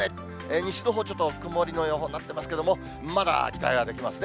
西のほう、ちょっと曇りの予報になってますけど、まだ期待はできますね。